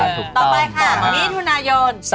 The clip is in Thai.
ต่อไปค่ะมิถุนายน